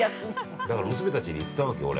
だから娘たちに言ったわけ、俺。